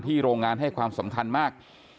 โรงงานให้ความสำคัญมาก